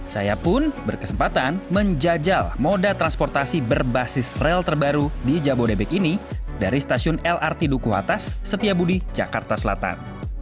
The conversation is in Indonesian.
saya pun berkesempatan menjajal moda transportasi berbasis rel terbaru di jabodebek ini dari stasiun lrt duku atas setiabudi jakarta selatan